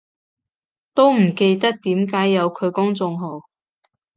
都唔記得點解有佢公眾號